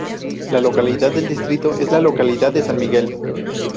La capital del distrito es la localidad de San Miguel.